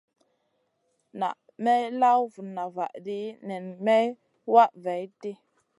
Na may law vuna vahdi nen may wah vaihʼdi.